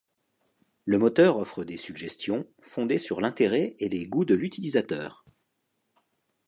Le moteur offre des suggestions, fondées sur l'intérêt et les goûts de l'utilisateur.